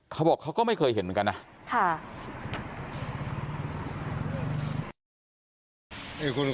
เขาบอกเขาก็ไม่เคยเห็นเหมือนกันนะ